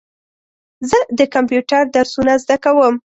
زه د کمپیوټر درسونه زده کوم.